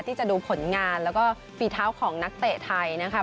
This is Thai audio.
ที่จะดูผลงานแล้วก็ฝีเท้าของนักเตะไทยนะคะ